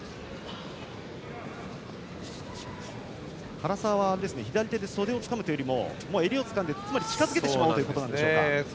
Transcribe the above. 原沢は左手で袖をつかむというよりも襟をつかんで近づけてしまおうということなんでしょうか。